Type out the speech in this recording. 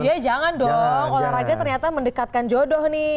ya jangan dong olahraga ternyata mendekatkan jodoh nih